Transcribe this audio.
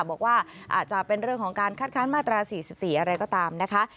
บอกว่าอาจจะเป็นเรื่องของการคัดค้านมาตรา๔๔อะไรก็ตามนะคะ